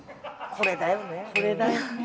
これだよね。